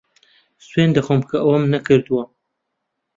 سوێند دەخۆم کە ئەوەم نەکردووە.